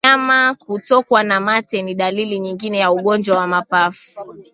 Mnyama kutokwa na mate ni dalili nyingine ya ugonjwa wa mapafu